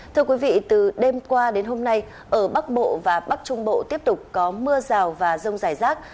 thưa quý vị từ đêm qua đến hôm nay ở bắc bộ và bắc trung bộ tiếp tục có mưa rào và rông rải rác